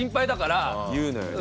言うのよね。